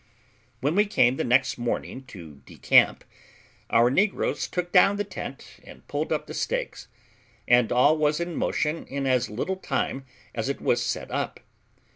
When we came the next morning to decamp, our negroes took down the tent, and pulled up the stakes; and all was in motion in as little time as it was set up.